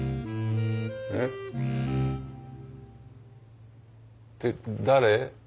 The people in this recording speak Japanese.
えっ？って誰？